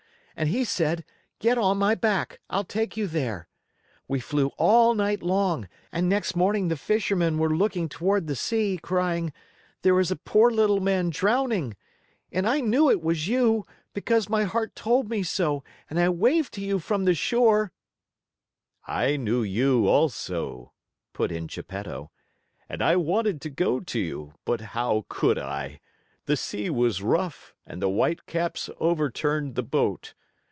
and he said, 'Get on my back. I'll take you there.' We flew all night long, and next morning the fishermen were looking toward the sea, crying, 'There is a poor little man drowning,' and I knew it was you, because my heart told me so and I waved to you from the shore " "I knew you also," put in Geppetto, "and I wanted to go to you; but how could I? The sea was rough and the whitecaps overturned the boat.